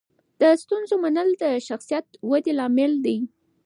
د ستونزو منل د شخصیت ودې لامل دی.